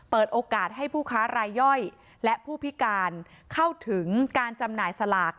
เปิดโอกาสให้ผู้ค้ารายย่อยและผู้พิการเข้าถึงการจำหน่ายสลาก